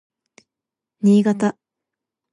新潟